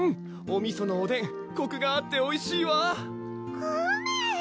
おみそのおでんコクがあっておいしいわコメ！